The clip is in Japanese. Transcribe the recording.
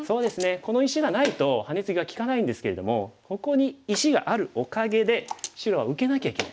この石がないとハネツギが利かないんですけれどもここに石があるおかげで白は受けなきゃいけない。